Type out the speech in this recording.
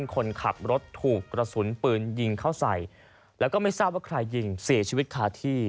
คนขับรถถูกกระสุนปืนยิงเข้าใส่แล้วก็ไม่ทราบว่าใครยิงเสียชีวิตคาที่